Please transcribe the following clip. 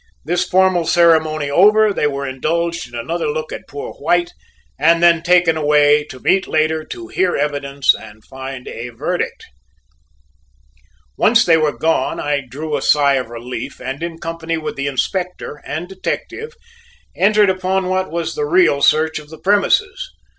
This formal ceremony over, they were indulged in another look at poor White and then taken away to meet later to "hear evidence and find a verdict." Once they were gone, I drew a sigh of relief and in company with the Inspector and detective entered upon what was the real search of the premises.